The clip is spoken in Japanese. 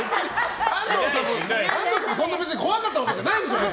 安藤さん、そんなに怖かったわけじゃないでしょ。